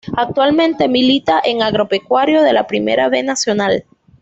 Actualmente milita en Agropecuario de la Primera B Nacional.